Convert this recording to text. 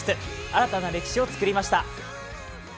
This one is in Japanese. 新たな歴史を作りました。